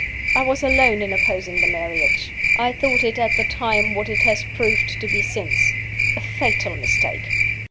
"I was alone in opposing the marriage. I thought it at the time what it has proved to be since a fatal mistake.